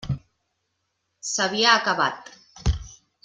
S'havia acabat.